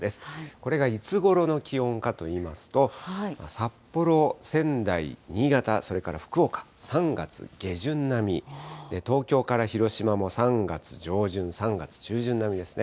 これがいつごろの気温かといいますと、札幌、仙台、新潟、それから福岡、３月下旬並み、東京から広島も３月上旬、３月中旬並みですね。